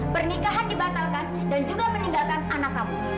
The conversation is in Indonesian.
pernikahan dibatalkan dan juga meninggalkan anak kamu